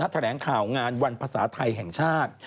แถลงข่าวงานวันภาษาไทยแห่งชาติ